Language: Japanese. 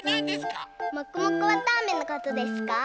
もくもくわたあめのことですか？